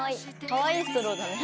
かわいいストローだね。